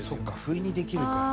不意にできるから。